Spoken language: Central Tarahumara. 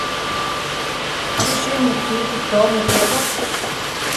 ¿Chí mu kípu tóo mujé ko?